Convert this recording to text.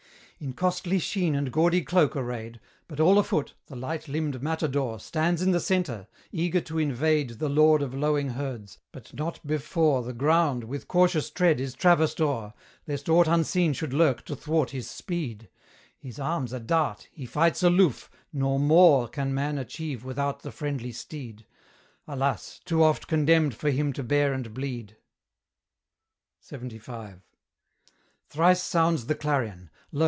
In costly sheen and gaudy cloak arrayed, But all afoot, the light limbed matadore Stands in the centre, eager to invade The lord of lowing herds; but not before The ground, with cautious tread, is traversed o'er, Lest aught unseen should lurk to thwart his speed: His arms a dart, he fights aloof, nor more Can man achieve without the friendly steed Alas! too oft condemned for him to bear and bleed. LXXV. Thrice sounds the clarion; lo!